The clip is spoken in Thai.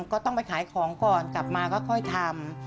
ก็ต้องไปขายของก่อนกลับมาก็ค่อยทำ